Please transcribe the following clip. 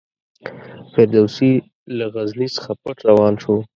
فردوسي له غزني څخه پټ روان شو.